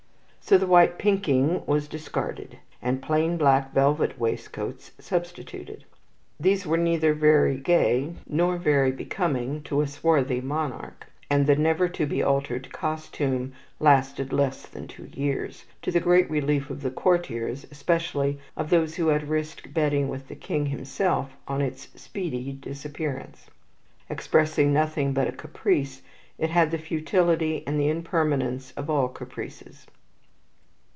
So the white pinking was discarded, and plain black velvet waistcoats substituted. These were neither very gay, nor very becoming to a swarthy monarch; and the never to be altered costume lasted less than two years, to the great relief of the courtiers, especially of those who had risked betting with the king himself on its speedy disappearance. Expressing nothing but a caprice, it had the futility and the impermanence of all caprices.